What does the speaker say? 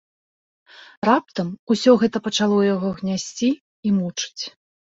Раптам усё гэта пачало яго гнясці і мучыць.